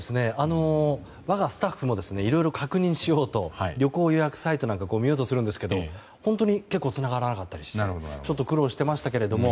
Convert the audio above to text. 我がスタッフもいろいろ確認しようと旅行予約サイトなんかを見ようとするんですけど本当につながらなかったりしてちょっと苦労してましたけども。